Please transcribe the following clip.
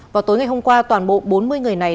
vào tối ngày hôm qua toàn bộ bốn mươi người này